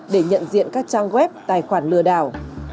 để nhận diện các trang web tài khoản lừa đảo